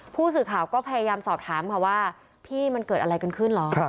ผู้สื่อข่าวก็พยายามสอบถามค่ะว่าพี่มันเกิดอะไรกันขึ้นเหรอ